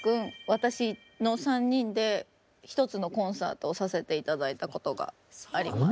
私の３人で一つのコンサートをさせて頂いたことがあります。